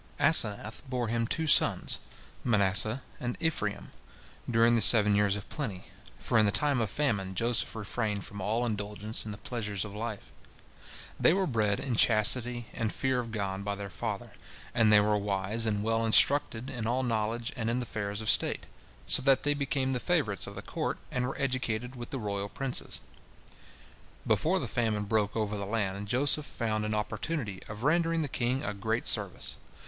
Asenath bore him two sons, Manasseh and Ephraim, during the seven years of plenty, for in the time of famine Joseph refrained from all indulgence in the pleasures of life. They were bred in chastity and fear of God by their father, and they were wise, and well instructed in all knowledge and in the affairs of state, so that they became the favorites of the court, and were educated with the royal princes. Before the famine broke over the land, Joseph found an opportunity of rendering the king a great service.